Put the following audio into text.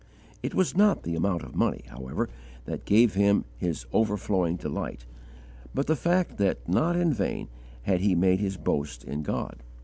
It was not the amount of money, however, that gave him his overflowing delight, but the fact that not in vain had he made his boast in God.